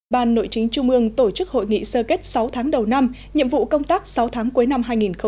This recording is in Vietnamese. ban nội chính trung ương tổ chức hội nghị sơ kết sáu tháng đầu năm nhiệm vụ công tác sáu tháng cuối năm hai nghìn hai mươi